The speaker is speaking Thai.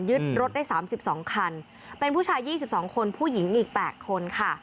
รถได้๓๒คันเป็นผู้ชาย๒๒คนผู้หญิงอีก๘คนค่ะ